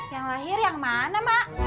yang lahir yang mana mak